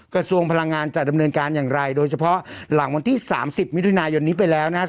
กระทรวงพลังงานจะดำเนินการอย่างไรโดยเฉพาะหลังวันที่๓๐มิถุนายนนี้ไปแล้วนะครับ